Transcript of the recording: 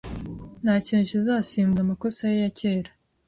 Ntakintu kizasimbuza amakosa ye ya kera